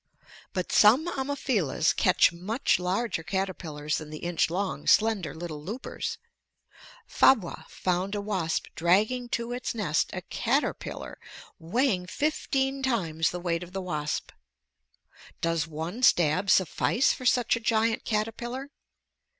But some Ammophilas catch much larger caterpillars than the inch long, slender, little loopers. Fabre found a wasp dragging to its nest a caterpillar weighing fifteen times the weight of the wasp. Does one stab suffice for such a giant caterpillar?